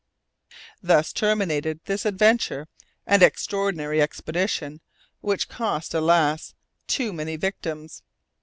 Thus terminated this adventurous and extraordinary expedition, which cost, alas, too many victims.